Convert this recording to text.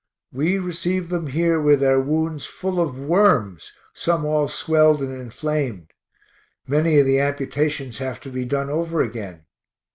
We receive them here with their wounds full of worms some all swelled and inflamed. Many of the amputations have to be done over again.